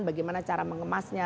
bagaimana cara mengemasnya